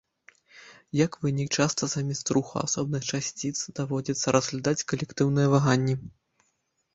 Як вынік, часта замест руху асобных часціц даводзіцца разглядаць калектыўныя ваганні.